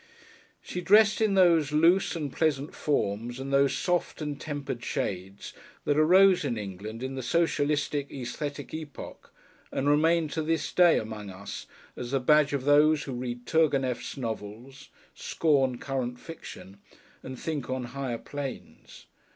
She dressed in those loose and pleasant forms and those soft and tempered shades that arose in England in the socialistic æsthetic epoch and remain to this day among us as the badge of those who read Turgenev's novels, scorn current fiction, and think on higher planes.